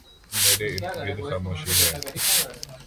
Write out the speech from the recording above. میرے اردگرد خاموشی ہے ۔